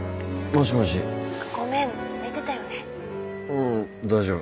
ううん大丈夫。